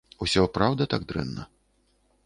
Усё праўда так дрэнна?